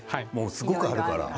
すごくあるから。